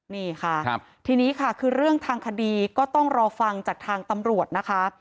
นี่ค่ะทีนี้ค่ะคือเรื่องทางคดีก็ต้องรอฟังจากทางตำรวจนะคะ